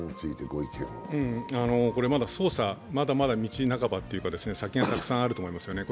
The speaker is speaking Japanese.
まだ捜査、まだまだ道半ばというか、先がたくさんあると思いますね。